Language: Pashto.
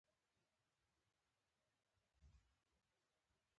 • وخت قیمتي دی.